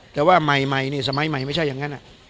แต่ว่าสมัยใหม่ไม่มีมันไม่ได้ยังนั้น